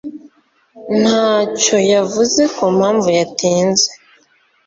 ntacyo yavuze ku mpamvu yatinze.